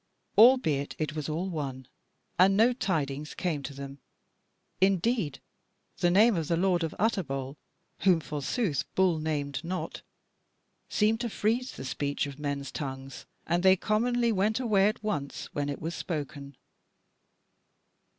Albeit it was all one, and no tidings came to them; indeed, the name of the Lord of Utterbol (whom forsooth Bull named not) seemed to freeze the speech of men's tongues, and they commonly went away at once when it was spoken.